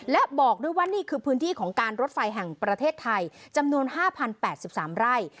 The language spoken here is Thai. และบอกด้วยว่านี่คือพื้นที่ของการรถไฟแห่งประเทศไทยจำนวน๕๐๘๓ไร่